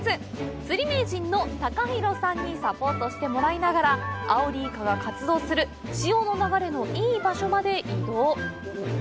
釣り名人のタカヒロさんにサポートしてもらいながらアオリイカが活動する潮の流れのいい場所まで移動！